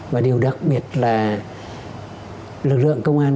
và điều đặc biệt là lực lượng công an